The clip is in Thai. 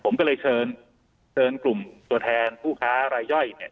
ผมก็เลยเชิญเชิญกลุ่มตัวแทนผู้ค้ารายย่อยเนี่ย